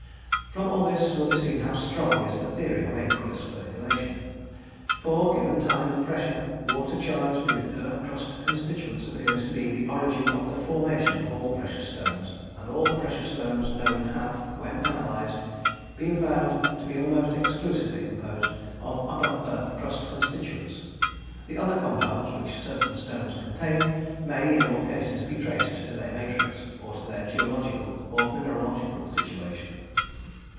From all this will be seen how strong is the theory of aqueous percolation, for, given time and pressure, water charged with earth crust constituents appears to be the origin of the formation of all precious stones; and all the precious stones known have, when analysed, been found to be almost exclusively composed of upper earth crust constituents; the other compounds which certain stones contain may, in all cases, be traced to their matrix, or to their geological or mineralogical situation.